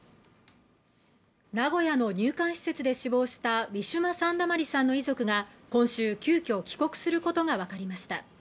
名古屋の入管施設で死亡したウィシュマ・サンダマリさんの遺族が今週急遽帰国することが分かりました